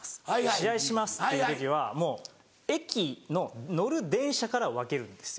試合しますっていう時はもう駅の乗る電車から分けるんです。